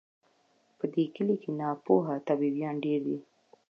په دې کلي کي ناپوه طبیبان ډیر دي